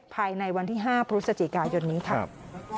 ภายในวันที่๕พฤศจิกายนนี้ครับ